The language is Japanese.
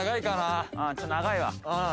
ちょっと長いわうん